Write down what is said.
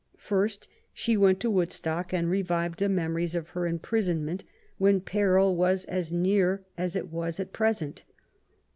First she went to Woodstock and revived the memories of her imprisonment, when peril was as near as it was at present.